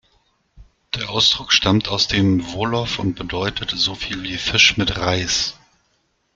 Der Ausdruck stammt aus dem Wolof und bedeutet so viel wie „Fisch mit Reis“.